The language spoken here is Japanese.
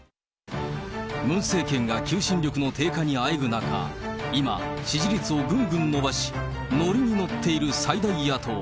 ムン政権が求心力の低下にあえぐ中、今、支持率をぐんぐん伸ばし、乗りに乗っている最大野党。